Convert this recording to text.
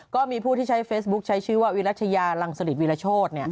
ก็มีผู้ที่ใช้เฟซบุ๊คใช้ชื่อว่าวิรัชยาลังสลิดวิรโชธ